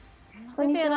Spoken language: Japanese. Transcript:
こんにちは